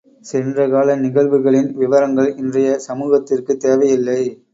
சென்ற கால நிகழ்வுகளின் விவரங்கள் இன்றைய சமூகத்திற்குத் தேவையில்லை.